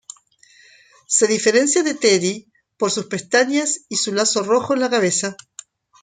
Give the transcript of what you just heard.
Se diferencia de Teddy por sus pestañas y su lazo rojo en la cabeza.